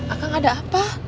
akang ada apa